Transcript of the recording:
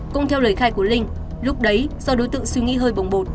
cũng theo lời khai của linh lúc đấy do đối tượng suy nghĩ hơi bồng bột